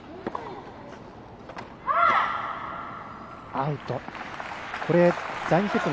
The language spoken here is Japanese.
アウト。